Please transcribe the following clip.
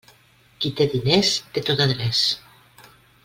Qui té diners té tot adreç.